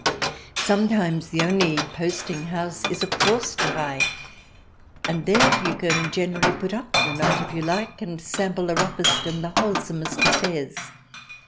Sometimes the only posting house is a Forsterei, and there you can generally put up for the night if you like and sample the roughest and the wholesomest of fares.